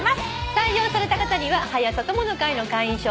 採用された方には「はや朝友の会」の会員証そして。